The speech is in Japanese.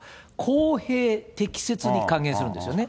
公平・適切に還元するんですよね。